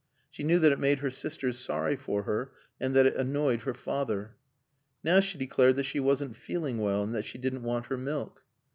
She knew that it made her sisters sorry for her, and that it annoyed her father. Now she declared that she wasn't feeling well, and that she didn't want her milk.